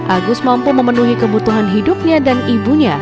agus mampu memenuhi kebutuhan hidupnya dan ibunya